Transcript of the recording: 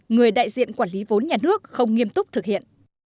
người đại diện quản lý vốn nhà nước không nghiêm túc thực hiện